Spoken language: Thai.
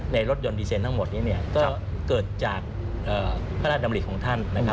ในรถยนต์ดีเซนทั้งหมดนี้ก็เกิดจากพระราชดำรีของท่าน